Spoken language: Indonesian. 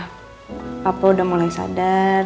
papa udah mulai sadar